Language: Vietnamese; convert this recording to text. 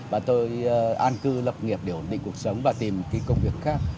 và tôi an cư lập nghiệp để ổn định cuộc sống và tìm cái công việc khác